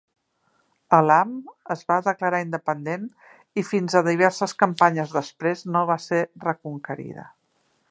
Elam es va declarar independent i fins a diverses campanyes després no va ser reconquerida.